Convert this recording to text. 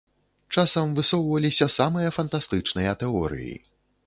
Часам высоўваліся самыя фантастычныя тэорыі.